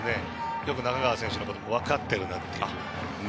よく中川選手のことも分かっているなと。